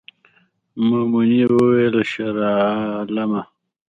میمونۍ وویل شیرعالمه